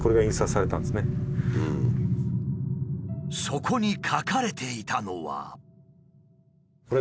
そこに書かれていたのは。